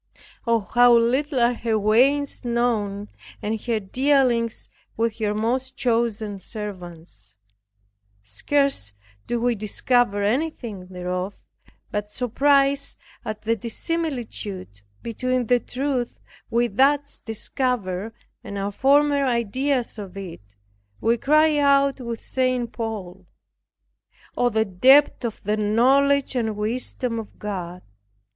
Oh, how little are her ways known, and her dealings with her most chosen servants. Scarce do we discover anything thereof, but surprised at the dissimilitude betwixt the truth we thus discover and our former ideas of it, we cry out with St. Paul, "Oh, the depth of the knowledge and wisdom of God!